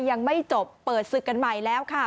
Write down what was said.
ยังไม่จบเปิดศึกกันใหม่แล้วค่ะ